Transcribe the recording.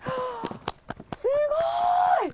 すごーい！